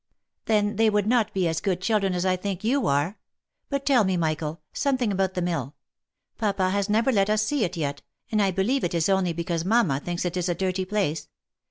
" Then they would not be as good children as I think you are. But tell me, Michael, something about the mill : papa has neveiylet us see it yet, but I believe it is only because mamma thinks it is a dirty place.